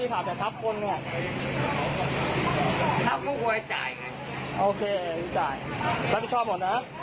พี่ขับแต่ทับคนเนี้ยทับก็กลัวให้จ่ายไงโอเคจ่ายแต่พี่ชอบหมดนะ